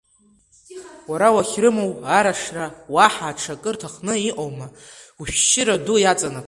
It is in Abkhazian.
Уара уахьрымоу Арашра уаҳа аҽакы рҭахны иҟоума, ушәшьыра ду иаҵанакуеит…